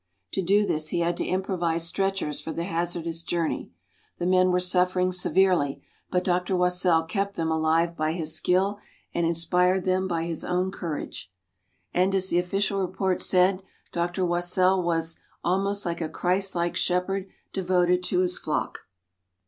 To do this, he had to improvise stretchers for the hazardous journey. The men were suffering severely, but Dr. Wassell kept them alive by his skill, and inspired them by his own courage. And as the official report said, Dr. Wassell was "almost like a Christ like shepherd devoted to his flock."